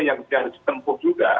yang harus ditempuh juga